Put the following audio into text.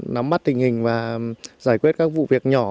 nắm mắt tình hình và giải quyết các vụ việc nhỏ